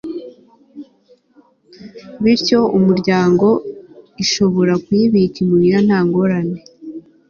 bityo imiryango ishobora kuyibika imuhira nta ngorane